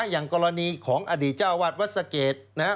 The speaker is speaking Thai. อย่างกรณีของอดีตเจ้าวาดวัดสะเกดนะฮะ